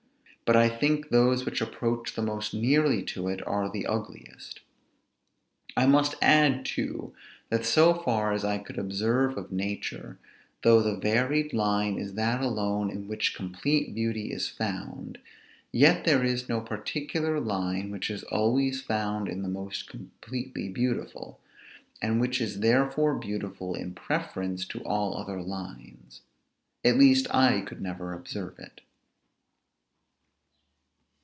But I think those which approach the most nearly to it are the ugliest. I must add, too, that so for as I could observe of nature, though the varied line is that alone in which complete beauty is found, yet there is no particular line which is always found in the most completely beautiful, and which is therefore beautiful in preference to all other lines. At least I never could observe it.